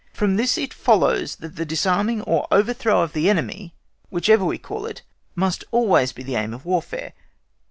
From this it follows that the disarming or overthrow of the enemy, whichever we call it, must always be the aim of Warfare.